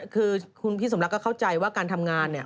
คือคุณพี่สมรักก็เข้าใจว่าการทำงาน